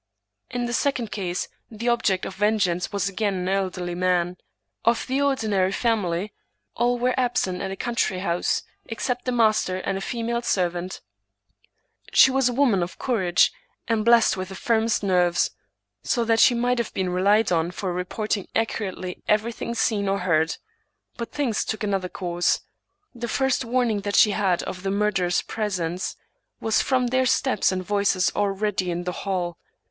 In the second case, the object of vengeance was again an elderly man. Of the ordinary family, all were absent at a country house, except the master and a female servant. She was a woman of courage, and blessed with the firmest nerves ; so that she might have been relied on for reporting accurately everything seen or heard. But things took an other course. The first warning that she had of the mur derers' presence was from their steps and voices already in the hall.